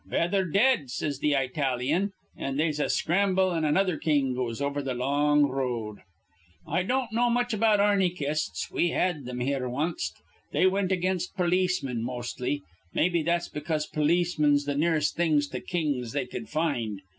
'Betther dead,' says th' Eyetalyan; an' they'se a scramble, an' another king goes over th' long r road. "I don't know much about arnychists. We had thim here wanst. They wint again polismen, mostly. Mebbe that's because polismen's th' nearest things to kings they cud find.